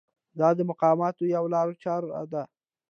دا د مقاومت یوه لارچاره ده.